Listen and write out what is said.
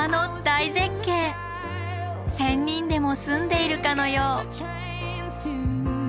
仙人でも住んでいるかのよう。